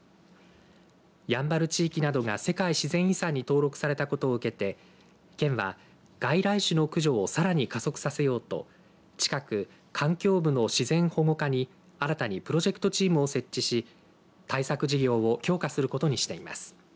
やんばる地域などが世界自然遺産に登録されたことを受けて県は、外来種の駆除をさらに加速させようと近く、環境部の自然保護課に新たにプロジェクトチームを設置し対策事業を強化することにしています。